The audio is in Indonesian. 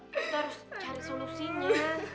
kita harus cari solusinya